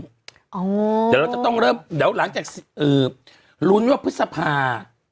เดี๋ยวเราจะต้องเริ่มหลังจากรุนว่าพฤษภาษณ์